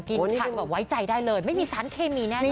กินทางแบบไว้ใจได้เลยไม่มีสารเคมีแน่